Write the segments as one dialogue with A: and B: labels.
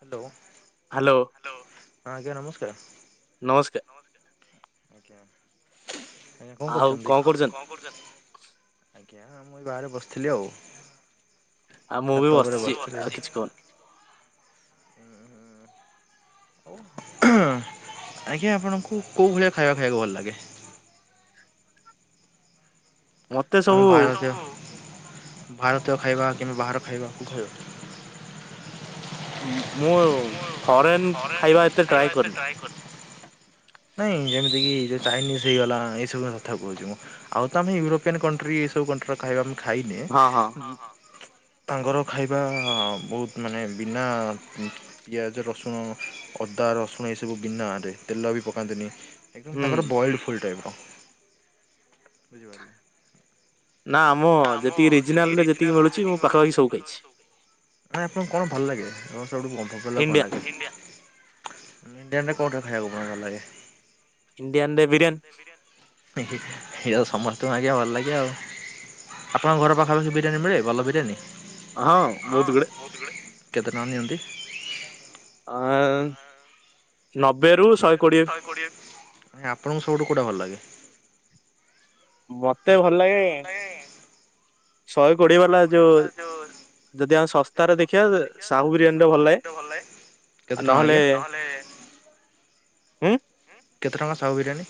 A: Hello.
B: Hello ନମସ୍କାର।
A: ଆଜ୍ଞା କଣ କରୁଛନ୍ତି ଆଉ କଣ କରୁଛନ୍ତି। ଆଜ୍ଞା ମୁଁ ଏ ବାହାରେ ବସିଥିଲି ଆଉ। ଛାତ ଉପରେ ବସିଥିଲି। ଆଜ୍ଞା ଆପଣଙ୍କୁ କେଉଁ ଭଳିଆ ଖାଇବା ଖାଇବାକୁ ଭଲ ଲାଗେ? ଆମ ଭାରତୀୟ ଭାରତୀୟ ଖାଇବା। କିମ୍ ବାହାର ଖାଇବା କୁ ଖାଇବା
B: ମୁ-ମୁଁ,
A: ଫ ରେନ୍ ଖାଇବା ଏତେ ଟ୍ରାଏ କରିନି। ନାଇଁ ଯେମିତି କି ଜେ ଚାଇନିଜ୍ ହେଇଗଲା, ଏସବୁ କଥା କହୁଛି ମୁଁ। ଆଉ ତ ଆମେ ୟୁରୋପଆନ୍ କଣ୍ଟ୍ରି, ଏସବୁ କଣ୍ଟ୍ରିର ଖାଇବା ଖାଇନେ। ତାଙ୍କର ଖାଇବା ବହୁତ ମାନେ ବିନା ପିଆଜ ରସୁ ଉଁ ଅଦା ରସୁଣ ଏଇ ସବୁ ବିନାରେ ତେଲ ବି ପକାନ୍ତିନି। ଏକଦମ୍ ତାଙ୍କର ବଏଲ୍ଡ ଫୁଲ ଟାଇପ୍ ର। ବୁଝିପାରିଲେ?
B: ମୋ ଯେତିକି ରିଜିନାଲ୍ ରେ ଯେତିକି ମିଳୁଛି। ମୁଁ ପାଖାପାଖି ସବୁ ଖାଇଛି।
A: ନାଇଁ, ଆପଣଙ୍କୁ କଣ ଭଲ ଲାଗେ? ସବୁଠୁ ଭଲ କଣ ଲାଗେ? ଇଣ୍ଡିଆାନରେ କଉଁଠା ଖାଇବାକୁ ଭଲ ଲାଗେ? ଏହା ତ ସମସ୍ତଙ୍କୁ ତ ଆଜ୍ଞା ଭଲ ଲାଗେ ଆଉ। ଆପଣଙ୍କ ଘର ପାଖା ପାଖି ବିରିୟାନୀ ମିଳେ? ଭଲ ବିିରୀୟାନୀ।
B: ହଁ, ବହୁତ ଗୁଡେ।
A: କେତେ ଟଙ୍କା ନିଅନ୍ତି?
B: ଆ ନବ୍
A: ଆପଣଙ୍କୁ ସବୁଠୁ କଉଟା ଭଲ ଲାଗେ?
B: ମତେ ଭଲ ଲାଗେ-ଏ ଶହେ କୋଡିଏ ବାଲା ଯୋଉ
A: କେତେ ଟଙ୍କା ଆୟା। [inaudible]
B: ହୁଁ।
A: ଟଙ୍କା ସାଉ ବିରିୟାନୀ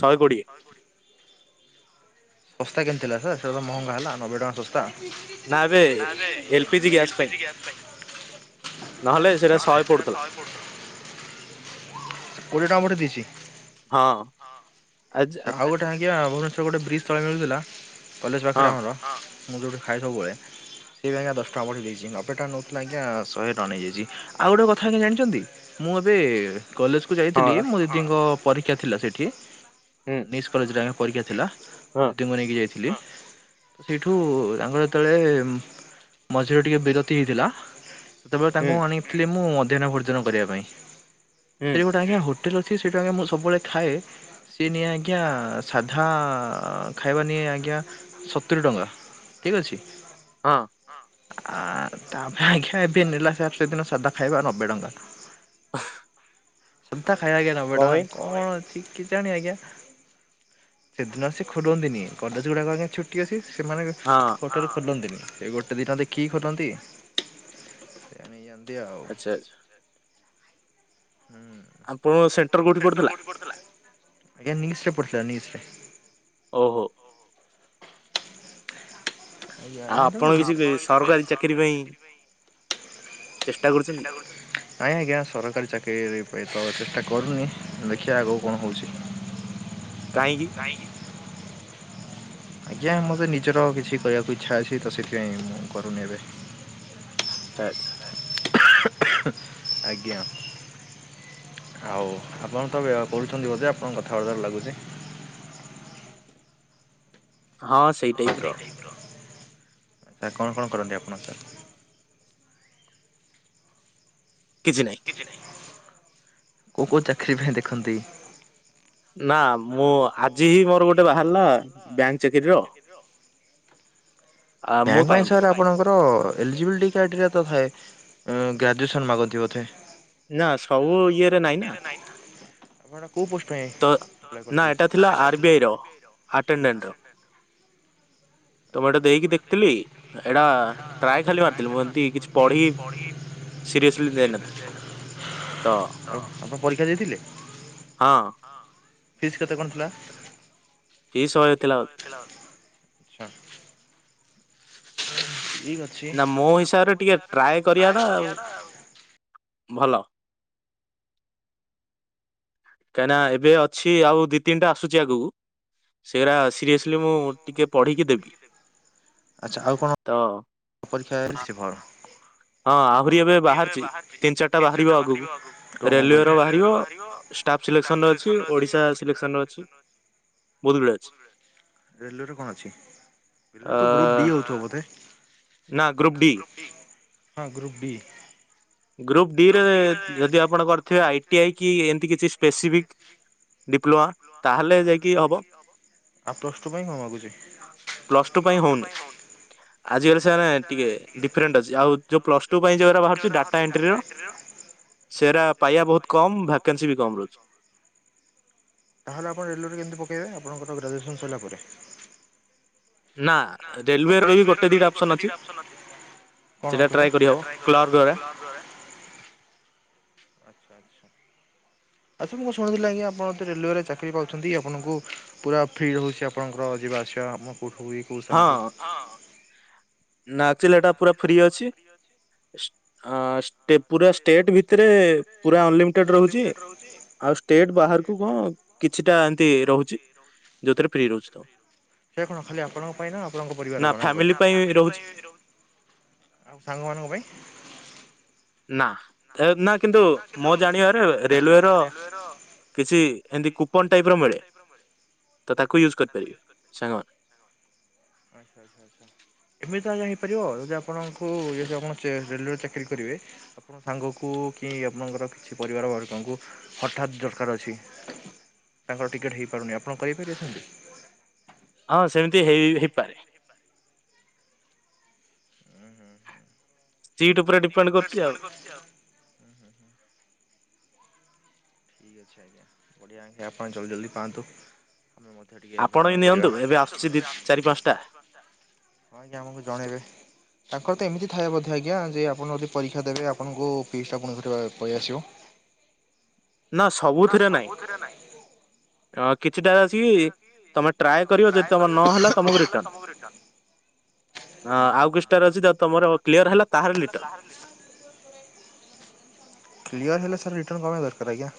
B: ଶହେ କୋଡ଼ିଏ।
A: ଶସ୍ତା କେମିତି ହେଲା ସାର୍? ସେ ତ ମହଙ୍ଗା ହେଲା। ନବେ ଟ ଶସ୍ତା! ତାହେଲେ ଏଲପିଜି ଗ୍ୟାସ ପାଇଁ।
B: ନହେଲେ ସେଟା ଶହେ ପଡୁଥିଲା।
A: କୋଡ଼ିଏ ଟଙ୍କା ମୋଟେ ଦେଇଛି। ଛା ଆଉ ଗୋଟେ ଆଜ୍ଞା-ଆ ଭୁବନେଶ୍ବର ଗୋଟେ ବ୍ରିଜ ତଳେ ମିଳୁଥିଲା। କଲେଜ ପାଖରେ ଆମର ମୁଁ ଯୋଉଠି ଖାଏ ସବୁବେଳେ ସେ ଏବେ ଆଜ୍ଞା ଦଶଟଙ୍କା ବଢେଇ ଦେଇଛି। ନବେ ଟଙ୍କା ନଉଥିଲା ଆଜ୍ଞା ଶହେ ଟଙ୍କା ନେଇଯାଇଛି। ଆଉ ଗୋଟେ କଥା ଆଜ୍ଞା ଯାଣିଛନ୍ତି। ମୁଁ ମୁଁ ଏବେ-ଏ-ଏ କଲେଜକୁ ଯାଇଥିଲି ମୋ ଦିଦିଙ୍କ-ଅ ପରୀକ୍ଷା ଥିଲା ସେଠି। ନିସ୍ କଲେଜରେ ଆମେ ପରୀକ୍ଷା ଥିଲା। ଦିଦିଙ୍କୁ ନେଇକି ଯାଇଥିଲି, ସେଇଠୁ, ଓ ୟାଙ୍କର ଯେତେଳେ ମଝିରେ ଟିକେ ବିରତି ହେଇଥିଲା। ସେତେବେଳେ ତାଙ୍କୁ ଆଣିଥିଲି, ମୁଁ ମଧ୍ୟାହ୍ନ ଭୋଜନ କରିବା ପାଇଁ। ସେ ଗୋଟେ ଆଜ୍ଞା ହୋ ହୋଟେଲ୍ ଅଛି, ସେଇଠୁ ଆଜ୍ଞା ମୁଁ ସବୁବେଳେ ଖାଏ। ଏ ନିଏ ଆଜ୍ଞା-ଆ ସାଧା ଖାଇବା ନିଏ, ଆଜ୍ଞା ସତୁରୀ ଟଙ୍କା। ଠିକ୍ ଅଛି।
B: ହଁ।
A: ଆ-ଆ ତାପରେ ଆଜ୍ଞା ଏବେ ନେଲା ସାର୍ ସେଦିନ ସାଧା ଖାଇବା ନବେ ଟଙ୍କା।
B: [unintelligible]
A: ତା ଖାଇବା ଆଜ୍ଞା ନବେ ଟଙ୍କା। କଣ ଅଛି କେ ଜାଣି ଆଜ୍ଞା। ସେଦିନ ସେ ଖୋଲନ୍ତିନି କଲେଜ ଗୁଡାକ ଆଜ୍ଞା ଛୁଟି ଅଛି। ସେମାନେ, ହୋଟେଲ ଖୋଲନ୍ତିନି। ସେ ଗୋଟେ ଦିନ ଦେଖିକି ଖୋଲନ୍ତି। ସେଆ ନେଇ ଯାଆନ୍ତି ଆଉ। ହୁଁ।
B: ଆପଣକଂ ସେଣ୍ଟର କଉଠି ପଡ଼ିଥିଲା?
A: ଆଜ୍ଞା ନିିସ୍ ରେ ପଡ଼ିଥିଲା ନିିସ୍ ରେ।
B: ଓହୋ!
A: ଆପଣ କିଛି ସରକାରୀ ଚାକିରି ପାଇଁ ନାଇଁ ଆଜ୍ଞା ସରକାରୀ ଚାକିରିରେ ପା ତ ଚେଷ୍ଟା କରୁନି, ଦେଖିବା ଆଗକୁ କଣ ହଉଛି। କାହଁକି? ଆଜ୍ଞା ମୋତେ ନିଜର କିଛି କରିବାକୁ ଇଚ୍ଛା ଅଛି ତ ସେଥିପାଇଁ ମୁଁ କରୁନି ଏବେ।
B: ଆଛା।
A: ଆଜ୍ଞା। ଆଉ ଆପଣ ତ କରୁଛନ୍ତି ବୋଧେ, ଆପଣଙ୍କ କଥାବାର୍ତ୍ତାରୁ ଲାଗୁଛି? [inaudible] ହଁ ସେଇ ଟ୍ରାଇପ ର [unintelligible] ସାର୍ କଣ କଣ କରନ୍ତି ଆପଣ ସାର୍? କିଛିନାଇଁ କୋଉଁ କୋଉଁ ଚାକିରି ପାଇଁ ଦେଖନ୍ତି?
B: ନା ମୁଁ ଆଜି ହିଁ ମୋର ଗୋଟେ ବାହାରିଲା ବ୍ୟାଙ୍କ ଚାକିରିୀର
A: ବ୍ୟାଙ୍କ ପାଇଁ ସାର୍ ଆପଣଙ୍କର ଏଲିଜିବିଲିଟି କ୍ରାଇଟେରିଆ ତ ଥାଏ ହମ୍ ଗ୍ରାଜୁଏସନ୍ ମାଗୁଚି ବୋଧେ।
B: ନାଁ ସବୁ ଇଏରେ ନାଇଁ ନା
A: ଆପଣ କୋଉଁ ପୋଷ୍ଟ ପାଇଁ ଟ୍ରାୟ କରିଥିଲେ? ଆଛା ଦେଇକି ଦେଖିଥିଲି [unintelligible] ଆପଣ ପରୀକ୍ଷା ଦେଇଥିଲେ?
B: ହଁ।
A: କେତେ କଣ ଥିଲା ଆଛା। ହୁଁ।
B: ନାଁ ମୋ ହିସାବରେ ଟିକେ ଟ୍ରାଏ କରିବା ଟା ଆଉ ଭଲ କାହିଁକିନା ଏବେ ଅଛି ଆଉ ଦି ତିନିଟା ଆସୁଛି ଆଗକୁ ସେରା ସିରିଏସଲି ମୁଁ ଟିକେ ପଢିକି ଦେବି ତ
A: ପରୀକ୍ଷାର ଫର୍ମ ହଁ ଆହୁରି ଏବେ ବାହାରିଛି ତିନି ଚାରିଟା ବାହାରିବ ଆଗକୁ ରେଲୱେର ବାହାରିବ।
B: ଷ୍ଟାଫ୍ ସିଲେକ୍ସନ ର ଅଛି ଓଡିଶା ସିଲେକ୍ସନ ର ଅଛି।
A: ରେଲୱେ ର କଣ ଅଛି? ରେଲୱେର ତ ଗ୍ରୁପ ଡି ଆଉଥିବ ବୋଧେ ନାଁ ଗ୍ରୁପ୍ ଡି ହଁ ଗ୍ରୁପ ଡି।
B: ଗ୍ରୁପ ଡି ରେ ଯଦି ଆପଣ କରିଥିବେ ଆଇ ଟି ଆଇ କି ଏମିତିକିଛି ସ୍ପେସିଫିକ
A: ଡିପ୍ଲୋମା ତାହାଲେ ଜାଇଁକି ହବ ଆଉ ପୋଷ୍ଟ ପାଇଁ କଣ ମାଗୁଛି? ପୋଷ୍ଟ ପାଇଁ ହଉନି।
B: ଆଜିକାଲି ସାର୍ ଟିକେ ଡିଫରେଣ୍ଟ ଅଛି। ଆଉ ଯୋଉଁ ପ୍ଲସ ଟୁ ପାଇଁ ଯୋଉଁରା ବାହାରୁଛି ଡାଟା ଏଣ୍ଟ୍ରି
A: ଡାଟାଏଣ୍ଟ୍ରି ର ସେରା ପାଇବା ବୋହୁତ କମ ଭାକେନ୍ସି ବି କମ ତାହେଲେ ଆପଣ ରେଲୱରେ କେମିତି ପକେଇବେ ଆପଣଙ୍କର ଗ୍ରାଜୁଏସନ୍ ସରିଲା ପରେ ନାଁ ରେଲୱେର ଏଇ ଗୋଟେ ଦିଟା ଅପସନ ଅଛି। କଣ କହିଲେ? ଆଛା ଆଛା। ଆଛା ମୁଁ କଣ ଶୁଣିଥିଲି ଆଜ୍ଞା ଆପଣ ଯଦି ରେଲୱେରେ ଚାକିରି ପାଉଛନ୍ତି। ଆପଣଙ୍କୁ ପୁରା ଫ୍ରି ରହୁଛି ଆପଣଙ୍କର ଯିବା ଆସିବା ମୁଁ କୋଉଁଠୁ କି କୋଉଁ ସ୍ଥାନ ରୁ
B: ନାଚିଲେ ଏଇଟା ପୁରା ଫ୍ରି ଅଛି। ହଁ ଷ୍ଟେପ ପୁରା ଷ୍ଟେଟ ଭିତରେ ପୁରା ଅନଲିମିଟେଡ ରହୁଛି ଆଉ ଷ୍ଟେଟ ବାହାରକୁ କଣ କିଛିଟା ଏମତି ରହୁଛି ଯୋଉଁଥିରେ ଫ୍ରି ରହୁଛି ତ।
A: ସେଇଟା କଣ ଖାଲି ଆପଣଙ୍କ ପାଇଁ ନାଁ ଆପଣଙ୍କ ପରିବାର ମାନଙ୍କ ପାଇଁ? ଆଉ ସାଙ୍ଗମାନଙ୍କ ପାଇଁ
B: ନାଁ ନାଁ କିନ୍ତୁ ମୁଁ ଜାଣିବାରେ ରେଲୱେ ର କିଛି ଏମିତି କୁପନ ଟାଇପ ର ମିଳେ। ତ ତାକୁ ୟୁଜ କରିପାରିବେ ସାଙ୍ଗମାନେ
A: ଏମିତି ଆଜ୍ଞା। ଫେରିବ ଯଦି ଆପଣଙ୍କୁ ଇଏ ଯୋଉ ଆପଣ ରେଲୱେ ଚାକିରି କରିବେ ଆପଣଙ୍କ ସାଙ୍ଗକୁ। କି ଆପଣଙ୍କର କିଛି ପରିବାର ବର୍ଗଙ୍କୁ ହଠାତ୍ ଦରକାର ଅଛି। ତାଙ୍କର ଟିକେଟ୍ ହେଇପାରୁନି ଆପଣ କରେଇ ପାରିବେ ସେମତିି।
B: ହଁ ସେମିତି ହେଇ ହେଇପାରେ।
A: ସିଟ ଉପରେ ଡିପେଣ୍ଡ କରୁଛି ଆଉ। ଠିକ୍ ଅଛି ଆଜ୍ଞା ବଢ଼ିଆ ଆଜ୍ଞା ଆପଣ ଜଲ୍ଦୀ ଜଲ୍ଦୀ ପାଆନ୍ତୁ। ଆମେ ମଧ୍ୟ ଟିକେ ଭ୍ରମଣ କରିବା। ହଁ ଆଜ୍ଞା ଆମକୁ ଜଣେଇବେ। ତାଙ୍କର ତ ଏମିତି ଥାଏ ବୋଧେ ଆଜ୍ଞା ଯେ ଆପଣ ଯଦି ପରୀକ୍ଷା ଦେବେ ଆପଣଙ୍କୁ ଫିସ ଟା ପୁଣି ଥରେ ପଳେଇ ଆସିବ। [inaudible] ନାଁ ସବୁଥିରେ ନାହିଁ।
B: ହଁ କିଛିଟାରେ ଅଛି ତମେ ଟ୍ରାଏ କରିବ ଯଦି ତମର ନହେଲା ତମକୁ ରିଟର୍ଣ।
A: ହଁ ଆଉ କିଛିଟା ରେ ଯଦି ତମର କ୍ଲିୟର ହେଲା ତାହାଲେ ରିଟର୍ନ। କ୍ଲିୟର ହେଲେ ସାର୍ ରିଟର୍ନ କଣପାଇଁ ଦରକାର ଆଜ୍ଞା।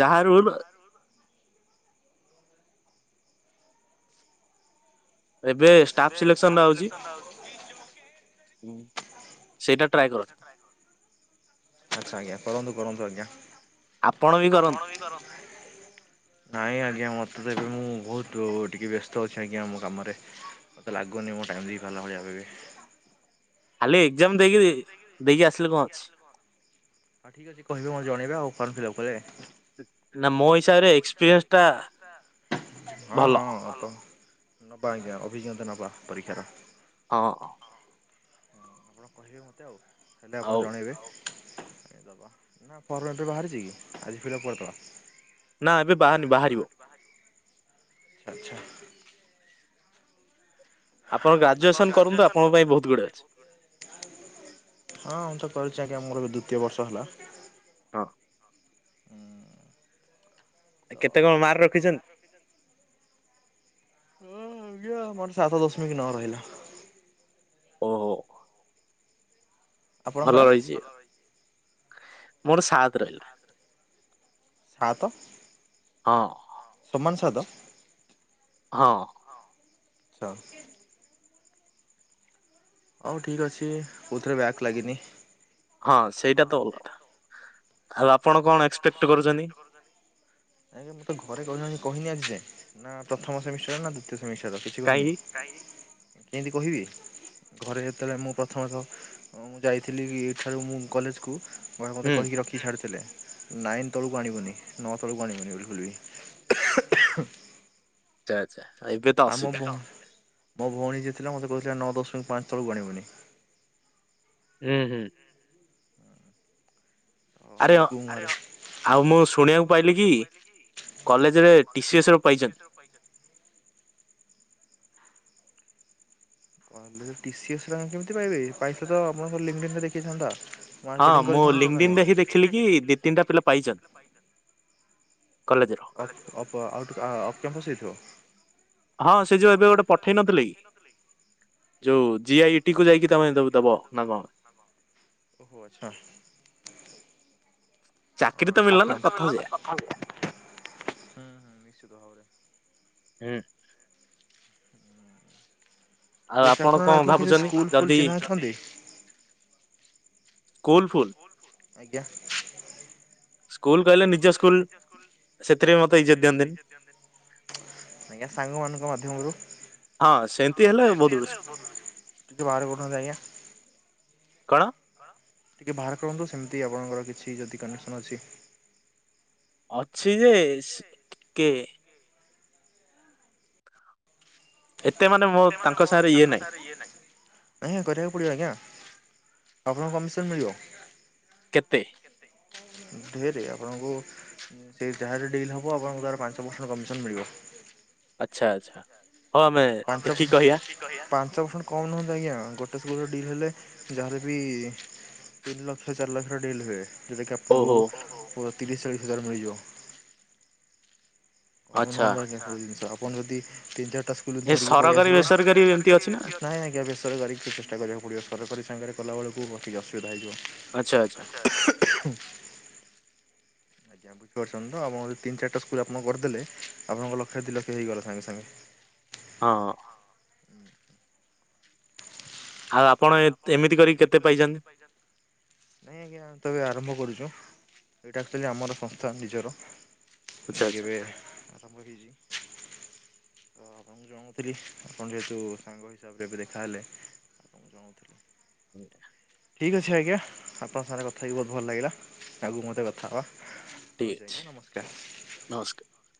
B: ଜାହା ରୁଲ। ଏବେ ଷ୍ଟାଫ ସିଲେକ୍ସନ ର ଆଉଛି।
A: ଆଛା ଆଜ୍ଞା କରନ୍ତୁ କରନ୍ତୁ ଆଜ୍ଞା। ନାଇଁ ଆଜ୍ଞା ମତେ। ଏବେ ମୁଁ ବହୁତ ଟିକେ ବ୍ୟସ୍ତ ଅଛି ଆଜ୍ଞା ମୋ କାମରେ। ମୋତେ ଲାଗୁନି ମୁଁ ଟାଇମ୍ ଦେଇ ପାରିଲା ଭଳିଆ ଏବେ ବି।
B: ଖାଲି ଏକଜାମ ଦେଇକିରି ଦେଇକି ଆସିଲେ କଣ ଅଛି।
A: ହଉ ଠିକ୍ ଅଛି କହିବେ ମୋତ ଜଣେଇବେ ଆଉ ଫ୍ରମ୍ ଫିଲ୍ଅପ୍ କଲେ।
B: ନା ମୋ ହିସାବରେ ଏକ୍ସପିରିଏନ୍ସ।
A: ହଁ ହଁ ତ। ନବା ଆଜ୍ଞା ଅଭିଜ୍ଞତା ନବା ପରୀକ୍ଷାର।
B: ହଁ।
A: ଆପଣ କହିବେ ମତେ ଆଉ ହେଲେ ଆପଣ ଜଣାଇବେ। ଦବା ନା ଫର୍ମଟା ବାହାରିଛି କି ଆଜି ଫିଲ୍ଅପ୍ କରିଦେବା।
B: ନା ଏବେ ବାହରିନି ବାହାରିବ।
A: ଆଚ୍ଛା ଆଛା।
B: ଆପଣଙ୍କ।
A: ହଁ ମୁଁ ତ କରିଛି ଆଜ୍ଞା ମୋର ଏବେ ଦି ତିିୟ ବର୍ଷ ହେଲା।
B: ହଁ।
A: ହୁଁ।
B: ଆ କେତେ କଣ ମାରକ ରଖିଛନ୍ତି।
A: ହ ଆ ଆମର ସାତ ଦଶମିକ ନ ରହିଲା।
B: ଓହୋ।
A: ଆପଣଙ୍କର।
B: ମୋର ସାତ ରହିଲା।
A: ସମାନ ସାତ।
B: ହଁ।
A: ଆଛା। ହଉ ଠିକ୍ ଅଛି କୋଉଥିରେ ବ୍ୟାକ ଲାଗିନି।
B: ହଁ ସେଇଟା ତ ଅଲଗା କଥା।
A: ଆଜ୍ଞା ମୁଁ ତ ଘରେ କହିନି କହିନି ଆଜି ଯାଏଁ ନା ପ୍ରଥମ ସେମିଷ୍ଟର ରେ ନା ଦ୍ୱତିୟ। ସେମିଷ୍ଟର କିଛି କହିନି କେଁତି କହିବି। ଘରେ ଯେତେବେଳେ ମୁଁ ପ୍ରଥମତଃ ମୁଁ ଯାଇଥିଲି ଏଠାରୁ ମୁଁ କଲେଜକୁ। ବଡ ବାପା ମତେ କହିି କି ରଖି କି ଛାଡି ଥିଲେ। ନାଇନ୍ ତଳକୁ ଆଣିବନି ନଅ ତଳକୁ ଆଣିବୁନି ବୋଲି ଭୁଲିବି
B: ଚା ଚା ଏବେ ତ ଅସୁବିଧା।
A: ମୋ ଭଉଣୀ ଯିଏ ଥିଲା ମୋତେ କହୁଥିଲା ନଅ ଦଶ ପାଞ୍ଚ ତଳକୁ ଗଣିବୁନି।
B: ହୁଁ ହୁଁ।
A: [inaudible] ଆଉ ମୁଁ ଶୁଣିବାକୁ ପାଇଥିଲି କଲେଜ ରେ [unintelligible] ପାଇଛନ୍ତି। [inaudible] କହିଲେ ଟିସି ଏସ ଟଙ୍କା କେମିତି ପାଇବେ ପଇଚ ତ ଆପଣଙ୍କ ଲିମିଟରେ ଦେଖେଇଥାନ୍ତା।
B: ହଁ ମୁଁ ଲିଙ୍ଗଦିନ ରେ ହିଁ ଦେଖିଲି କି ଦି ତିନିଟା ପିଲା ପାଇଚନ୍।
A: ଅପ-ଅପ-ଆଉ ହେଇଥିବ।
B: ହଁ ସେ ଯୋଉ ଏବେ ଗୋଟେ ପଠେଇ ନଥିଲେ କି ଯୋଉ
A: ଓହୋ ଆଛା। [unintelligible] ହୁଁ ହୁ ନିଶ୍ଚିତ ଭାବରେ।
B: ହୁଁ।
A: [unintelligible] ଠିକ ଅଛି ଆପଣ ଆଜ୍ଞା କିଛି ସ୍କୁଲ ଫୁଲ ଚିହ୍ନା ଅଛନ୍ତି?
B: ସ୍କୁଲ ଫୁଲ।
A: ଆଜ୍ଞା।
B: ସ୍କୁଲ କହିଲେ ନିଜ ସ୍କୁଲ ସେଥିରେ ମ
A: ଆଜ୍ଞା ସାଙ୍ଗ ମାନଙ୍କ ମାଧ୍ୟମରୁ [unintelligible] ଆଜ୍ଞା।
B: କଣ?
A: ଟିକେ ବାହାର କରନ୍ତୁ ସେମିତି ଆପଣଙ୍କର କିଛି ଯଦି କନେକ୍ସନ୍ ଅଛି।
B: ଅଛି ଯେ ଟିକେ ଏତେ ମାନେ ମୋ ତାଙ୍କ ସାଙ୍ଗରେ ଇଏ ନାହିଁ।
A: ନାହିଁ ଆଜ୍ଞା କରିବାକୁ ପଡ଼ିବ ଆଜ୍ଞା ଆପଣଙ୍କ କମିଶନ୍ ମିଳିବ।
B: କେତେ?
A: ହ ଢେରେ ଆପଣଙ୍କୁ ସେ ଯାହା ଡିଲ୍ ହେବ ଆପଣଙ୍କୁ ତାର ପାଞ୍ଚ ପରସେଣ୍ଟ କମିସନ୍ ମିଳିବ।
B: ଆଚ୍ଛା ଆଚ୍ଛା।
A: ପାଞ୍ଚ ପାଞ୍ଚ ପରସେଣ୍ଟ କମ ନୁହନ୍ତା ଆଜ୍ଞା ଗୋଟେ ଡିଲ୍ ହେଲେ ଯାହାର ବି ତିନି ଲକ୍ଷ ଚାରି ଲକ୍ଷର ଡିଲ୍ ହୁଏ। ଯେଉଁଟାକି ଆପଣଙ୍କୁ ତିରିଶ ଚାଳିଶ ହଜାର ମିଳିଯିବ। କହ ଆଜ୍ଞା ଜିନିଷ ଆପଣ ଯଦି ତିି ଚାରିଟ ଧରିକି ପଳେଇ ଆସିଲେ ନାଇଁ ଆଜ୍ଞା ବେସରକାରୀ ଚେଷ୍ଟା କରିବାକୁ ପଡିବ ସରକାରୀ ସାଙ୍ଗରେ କଲାବେଳକୁ ମୋର ଟିକେ ଅସୁବିଧା ହେଇଯିବ।
B: ଆଚ୍ଛା ଆଚ୍ଛା।
A: ଆଜ୍ଞା ବୁଝିପାରୁଛନ୍ତି ତ ଆପଣ ଯଦି ତିନ ଚିରିଟା ସ୍କୁଲ ଆପଣ କରିଦେଲେ ଆପଣଙ୍କ ଲକ୍ଷ ଦୁଇ ଲକ୍ଷ ହେଇଗଲା ସାଙ୍ଗେ ସାଙ୍ଗେ।
B: ହଁ।
A: ନାଇଁ ଆଜ୍ଞା ଆମେତ ଏବେ ଆରମ୍ଭ କରୁଛୁ। ଏଇଟା ଯେ ଆମର ସଂସ୍ଥା ନିଜର। ଏ ଯେବେ ଆମ କରି [unintelligible] ତ ଆପଣଙ୍କୁ ଜଣଉଥିଲି ଆପଣ ଯେହେତୁ ସାଙ୍ଗ ହିସାବରେ ଏବେ ଦେଖାହେଲେ। ତ ଜଣାଉଥିଲି।
B: ସେଟା
A: ଠିକ୍ ଅଛି ଆଜ୍ଞା ଆପଣଙ୍କ ସାଙ୍ଗରେ କଥା ହେଇକି ବହୁତ ଭଲ ଲାଗିଲା ଆଗକୁ ମଧ୍ୟ କଥା ହେବା। ରହୁଛି ଆଜ୍ଞା ନମସ୍କାର।